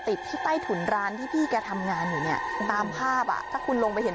ติดที่ใต้ถุนร้านที่พี่แกทำงานอยู่เนี่ยตามภาพอ่ะถ้าคุณลงไปเห็น